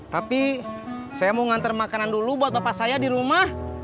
tapi saya mau nganter makanan dulu buat bapak saya di rumah